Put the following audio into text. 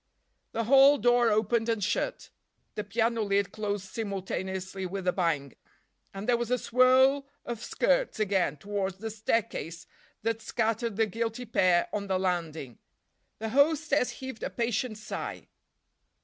The hall door opened and shut, the piano lid closed simultaneously with a bang, and there was a swirl of skirts again towards the staircase that scattered the guilty pair on the landing. The hostess heaved a patient sigh.